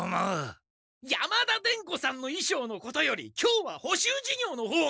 山田伝子さんのいしょうのことより今日は補習授業の方が。